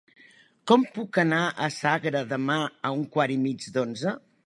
Com puc anar a Sagra demà a un quart i mig d'onze?